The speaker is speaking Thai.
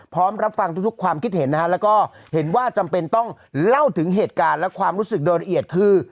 พร้อมรับฟังทุกความคิดเห็นนะฮะแล้วก็เห็นว่าจำเป็นต้องเล่าถึงเหตุการณ์และความรู้สึกโดยละเอียดคือ